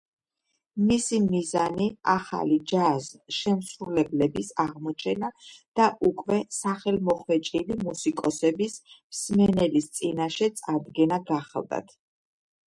მისი მიზანი ახლი ჯაზ შემსრულებლების აღმოჩენა და უკვე სახელმოხვეჭილი მუსიკოსების მსმენელის წინაშე წარდგენა გახლდათ.